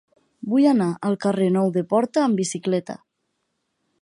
Vull anar al carrer Nou de Porta amb bicicleta.